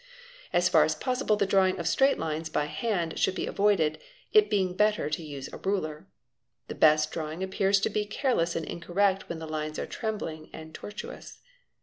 As far as possible the drawing of straight lines by naa showman be. avoided, it being better to use aruler. The best drawing appears to be careless and incorrect when the lines are trembling and tortuous.